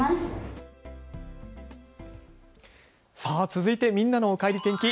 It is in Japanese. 続いてみんなのおかえり天気。